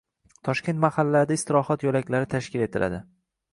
Toshkent mahallalarida istirohat yo‘laklari tashkil etiladi